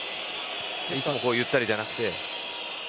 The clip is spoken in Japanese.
いつもゆったりじゃなくて。